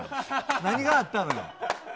何があったのよ。